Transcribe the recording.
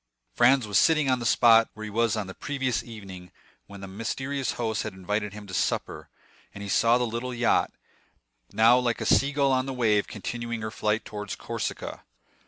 Franz was sitting on the spot where he was on the previous evening when his mysterious host had invited him to supper; and he saw the little yacht, now like a sea gull on the wave, continuing her flight towards Corsica.